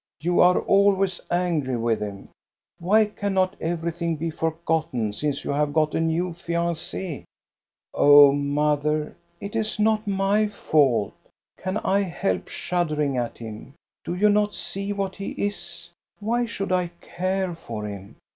You are always angry with him. Why cannot everything be forgotten, since you have got a new fianc6 ?"" Oh, mother, it is not my fault. Can I help shud dering at him ? Do you not see what he is ? Why should I care for him?